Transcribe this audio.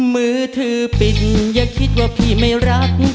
มือถือปิดอย่าคิดว่าพี่ไม่รัก